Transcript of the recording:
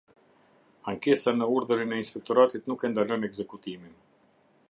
Ankesa në urdhërin e Inspektoratit nuk e ndalon ekzekutimin.